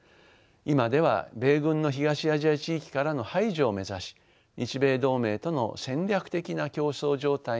今では米軍の東アジア地域からの排除を目指し日米同盟との戦略的な競争状態に突入しています。